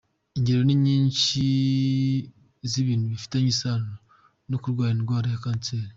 Ingero ni nyinshi z’ibintu bifitanye isano no kurwara indwara ya kanseri.